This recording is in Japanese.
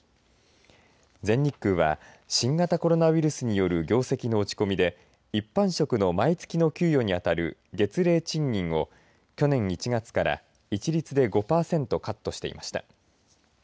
全日空は新型コロナウイルスによる業績の落ち込みで一般職の毎月の給与にあたる月例賃金を去年１月から一律で５パーセントカットしていました。